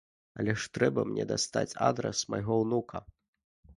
Але ж трэба мне дастаць адрас майго ўнука!